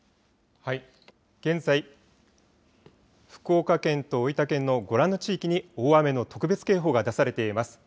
現在、福岡県と大分県のご覧の地域に大雨の特別警報が出されています。